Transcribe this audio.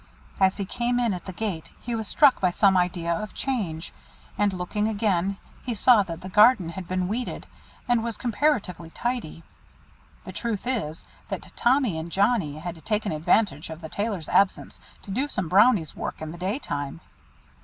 As he came in at the gate he was struck by some idea of change, and looking again, he saw that the garden had been weeded, and was comparatively tidy. The truth is, that Tommy and Johnnie had taken advantage of the Tailor's absence to do some Brownie's work in the daytime.